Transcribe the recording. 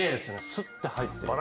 スッて入って。